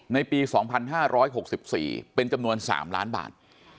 ในปี๒๕๖๔เป็นจำนวน๓ล้านบาท